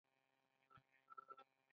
ایا تاسو راته سپارښتنه لیکئ؟